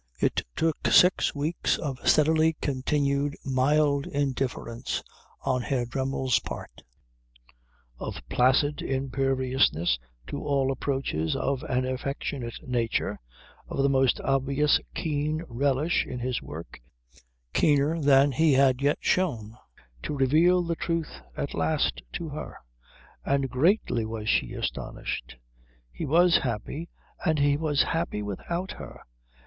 It took six weeks of steadily continued mild indifference on Herr Dremmel's part, of placid imperviousness to all approaches of an affectionate nature, of the most obvious keen relish in his work, keener than he had yet shown, to reveal the truth at last to her; and greatly was she astonished. He was happy, and he was happy without her!